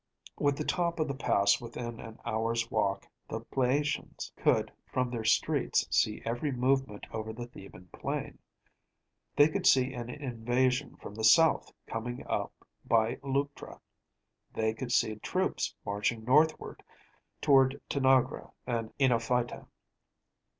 With the top of the pass within an hour’s walk, the Platæans could, from their streets, see every movement over the Theban plain: they could see an invasion from the south coming up by Leuctra; they could see troops marching northward toward Tanagra and Ňínophyta.